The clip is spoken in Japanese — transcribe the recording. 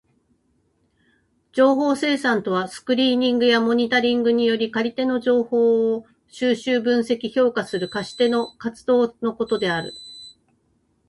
情報生産とはスクリーニングやモニタリングにより借り手の情報を収集、分析、評価する貸し手の活動のことである。